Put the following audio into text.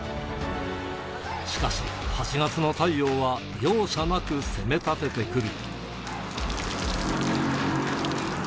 しかし、８月の太陽は容赦なく攻め立ててくる。